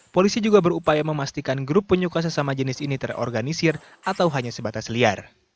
polisi juga berupaya memastikan grup penyuka sesama jenis ini terorganisir atau hanya sebatas liar